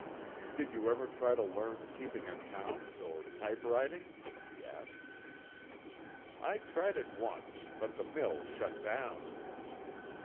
"Did you never try to learn keeping accounts or typewriting?" he asked. "I tried it once, but the mill shut down."